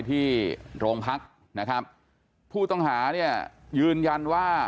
ทองแท่งลักษณะแบบนี้มันก็ไม่มีอยู่แล้ว